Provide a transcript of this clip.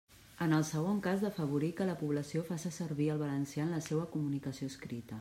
En el segon cas, d'afavorir que la població faça servir el valencià en la seua comunicació escrita.